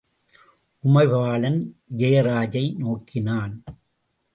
உமைபாலன், ஜெயராஜை நோக்கினான்.